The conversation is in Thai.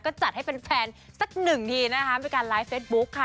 ก็จัดให้แฟนสักหนึ่งทีนะคะมีการไลฟ์เฟซบุ๊คค่ะ